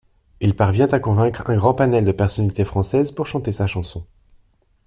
Il parvient à convaincre un grand panel de personnalités françaises pour chanter sa chanson.